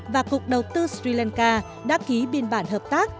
và cục đầu tư sri lanka đã ký biên bản hợp tác